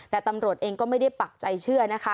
แต่ตำรวจเองก็ไม่ได้ปักใจเชื่อนะคะ